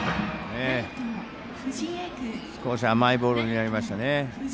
少し甘いボールになりましたね。